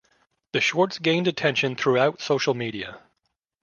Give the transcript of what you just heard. The shorts gained attention throughout social media.